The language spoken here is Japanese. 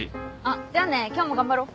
じゃあね今日も頑張ろう。